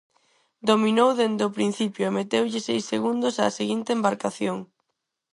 Dominou dende o principio e meteulle seis segundos á seguinte embarcación.